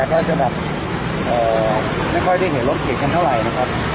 ก็จะแบบไม่ค่อยได้เห็นรถเก่งกันเท่าไหร่นะครับ